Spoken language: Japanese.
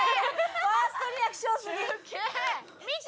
ファーストリアクションすぎ！